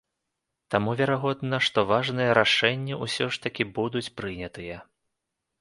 Таму верагодна, што важныя рашэнні ўсё ж такі будуць прынятыя.